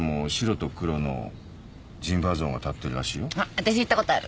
わたし行ったことある。